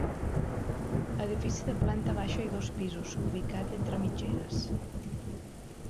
Edifici de planta baixa i dos pisos, ubicat entre mitgeres.